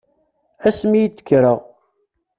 Asmi i d-kkreɣ.